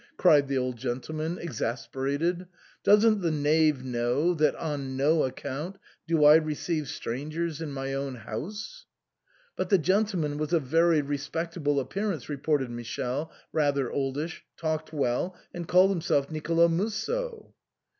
" cried the old gentleman, exasperated ;" doesn't the knave know that on no account do I receive strangers in my own house ?" But the gentleman was of very respectable appear ance, reported Michele, rather oldish, talked well, and called himself Nicolo Musso.